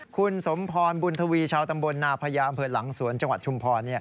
คุณสมพรบุญทวีชาวตำบลนาพญาอำเภอหลังสวนจังหวัดชุมพร